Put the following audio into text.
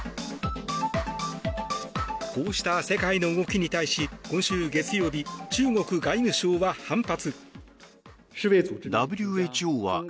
こうした世界の動きに対し今週月曜日、中国外務省は反発。